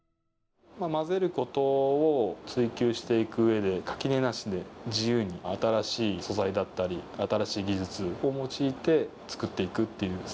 混ぜることを追求していく上で垣根なしで自由に新しい素材だったり新しい技術を用いて作っていくっていうスタイルですね。